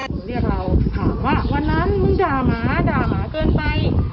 หนูเรียกเราถามว่าวันนั้นมึงด่าหมาด่าหมาเกินไป